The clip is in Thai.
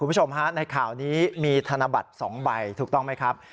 คุณผู้ชมฮะในข่าวนี้มีธนบัตร๒ใบถูกต้องไหมครับ